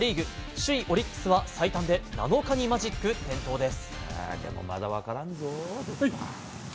首位オリックスは最短で７日にマジック点灯です。